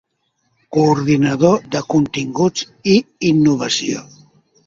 Coordinador de Continguts i Innovació.